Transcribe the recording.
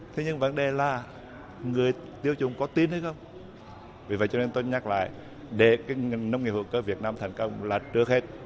thế nhưng vấn đề là người tiêu dùng có tin hay không vì vậy cho nên tôi nhắc lại để cái nông nghiệp hữu cơ việt nam thành công là trước hết